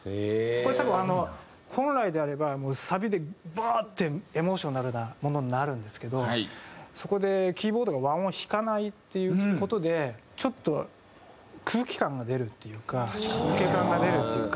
これ多分本来であればサビでバーッてエモーショナルなものになるんですけどそこでキーボードが和音を弾かないっていう事でちょっと空気感が出るっていうか抜け感が出るっていうか。